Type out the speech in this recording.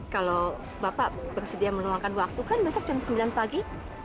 kalau bapak bersedia meluangkan waktu kan besok jam sembilan pagi